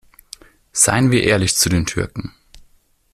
Seien wir ehrlich zu den Türken.